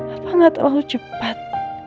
apa nggak terlalu cepat